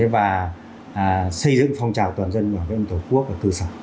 và xây dựng phong trào toàn dân vào nguyên tổ quốc và cư xã